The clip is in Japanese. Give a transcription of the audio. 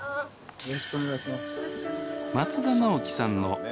よろしくお願いします。